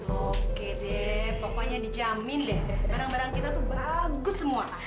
oke deh pokoknya dijamin deh barang barang kita tuh bagus semua